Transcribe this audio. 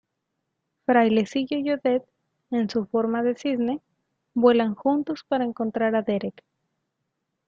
Frailecillo y Odette, en su forma de cisne, vuelan juntos para encontrar a Derek.